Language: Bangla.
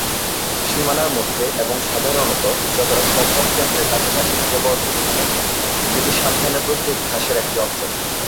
সীমানার মধ্যে এবং সাধারণত যতটা সম্ভব কেন্দ্রের কাছাকাছি, থাকে "বর্গক্ষেত্র", যেটি সাবধানে প্রস্তুত ঘাসের একটি অঞ্চল।